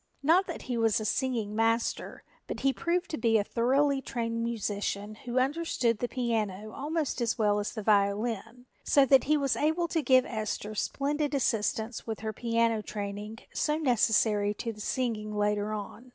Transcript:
Not that he was a singing master, but he proved to be a thoroughly trained musician who understood the piano almost as well as the violin, so that he was able to give Esther splendid assistance with her piano training so necessary to the singing later on.